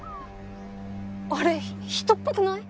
あれ人っぽくない？